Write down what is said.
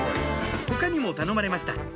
他にも頼まれました